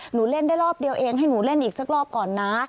เล่นได้รอบเดียวเองให้หนูเล่นอีกสักรอบก่อนนะ